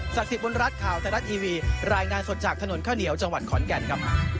สิทธิบุญรัฐข่าวไทยรัฐทีวีรายงานสดจากถนนข้าวเหนียวจังหวัดขอนแก่นครับ